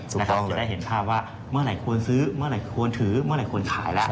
จะได้เห็นภาพว่าเมื่อไหร่ควรซื้อเมื่อไหร่ควรถือเมื่อไหร่ควรขายแล้ว